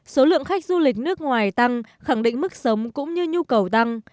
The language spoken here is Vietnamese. số lượng khách du lịch nước ngoài tăng khẳng định mức sống cũng như nhu cầu tăng